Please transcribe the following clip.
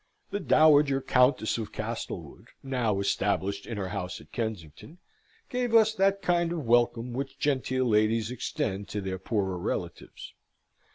The Dowager Countess of Castlewood, now established in her house at Kensington, gave us that kind of welcome which genteel ladies extend to their poorer relatives.